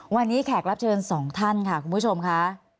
วันนี้แขกรับเชิญสองท่านค่ะคุณผู้ชมค่ะ